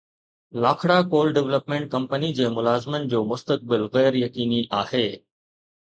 Lakhra coal development company جي ملازمن جو مستقبل غير يقيني آهي